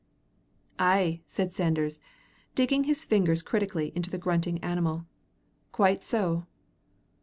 "Ay," said Sanders, digging his fingers critically into the grunting animal; "quite so."